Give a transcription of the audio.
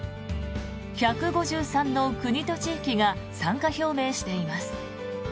１５３の国と地域が参加表明しています。